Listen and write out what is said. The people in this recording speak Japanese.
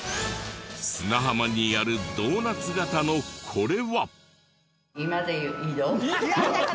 砂浜にあるドーナツ形のこれは。えっ？